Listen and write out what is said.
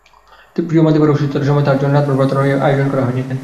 প্রিয় মাদিবার অসুস্থতার সময় তাঁর জন্য রাতভর প্রার্থনারও আয়োজন করা হয়নি এখানে।